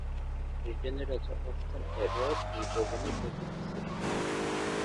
ব্রিটেনের রাজা অষ্টম এডওয়ার্ড এই ভবনের অতিথি ছিলেন।